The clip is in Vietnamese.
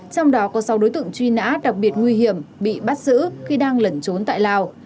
trong đó có sáu đối tượng truy nã đặc biệt nguy hiểm bị bắt giữ khi đang lẩn trốn tại lào